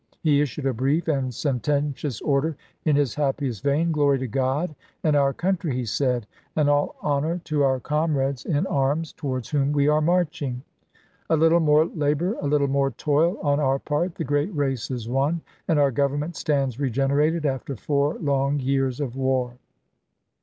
He issued a brief and sententious order in his happiest vein :" Glory to God and our country," he said, " and all honor to our comrades in arms toward whom we are marching! A little more labor, a little more toil on our part, the great •♦Memoirs'" race is won, and our Government stands regenerated Vol. II., p 34± after four long years of war."